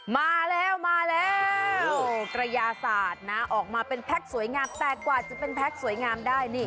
มาแล้วมาแล้วกระยาศาสตร์นะออกมาเป็นแพ็คสวยงามแต่กว่าจะเป็นแพ็คสวยงามได้นี่